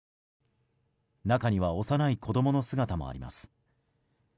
中には幼い子供の姿もあります。